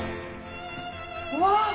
うわ！